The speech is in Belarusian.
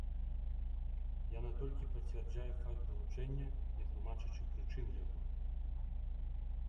Яна толькі пацвярджае факт далучэння, не тлумачачы прычын яго.